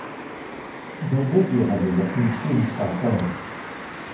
They regularly are consumed by birds.